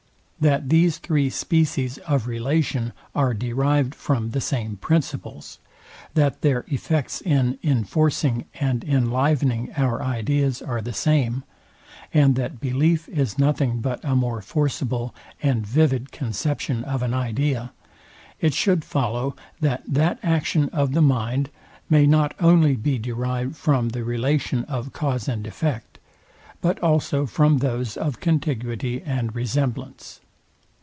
that these three species of relation are derived from the same principles; that their effects in informing and enlivening our ideas are the same; and that belief is nothing but a more forcible and vivid conception of an idea; it should follow, that that action of the mind may not only be derived from the relation of cause and effect, but also from those of contiguity and resemblance.